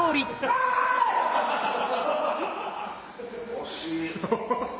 惜しい！